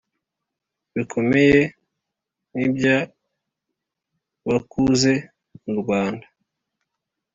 bikomeye ni iby abakuze murwanda